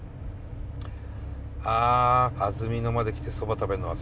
あ安曇野まで来てそば食べるの忘れた。